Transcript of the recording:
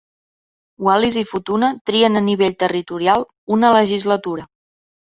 Wallis i Futuna trien a nivell territorial una legislatura.